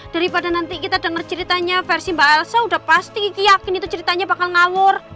daripada nanti kita dengar ceritanya versi mbak elsa sudah pasti yakin itu ceritanya bakal ngawur